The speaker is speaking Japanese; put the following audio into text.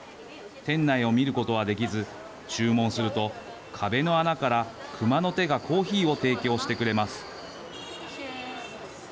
店内を見ることはできず注文すると壁の穴から熊の手がコーヒーを提供してくれます。